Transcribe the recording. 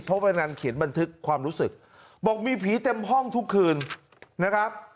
เพราะวันนั้นเขียนบันทึกความรู้สึกบอกมีผีเต็มห้องทุกคืนนะครับ